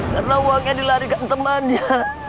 karena uangnya dilarikan temannya